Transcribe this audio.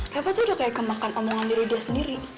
rebat tuh udah kayak kemakan omongan diri dia sendiri